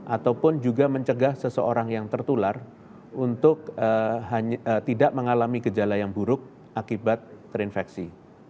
ataupun juga mencegah seseorang yang tertular untuk tidak mengalami gejala yang buruk akibat terinfeksi